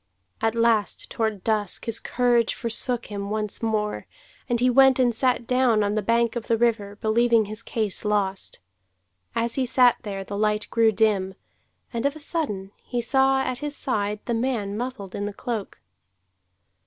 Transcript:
At last toward dusk his courage forsook him once more, and he went and sat down on the bank of the river, believing his case lost. As he sat there the light grew dim, and of a sudden he saw at his side the man muffled in the cloak.